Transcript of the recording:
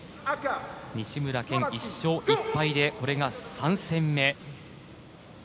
西村拳、１勝１敗でこれが３戦目。